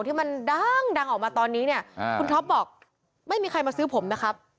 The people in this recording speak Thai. ที่มันดังออกมาตอนนี้เนี่ยคุณท็อปบอกไม่มีใครมาซื้อผมนะครับ